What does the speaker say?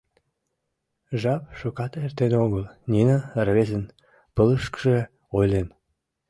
Жап шукат эртен огыл, Нина рвезын пылышышкыже ойлен: